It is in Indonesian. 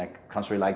anda harus memiliki